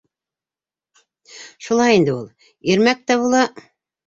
— Шулай инде ул. Ирмәк тә була.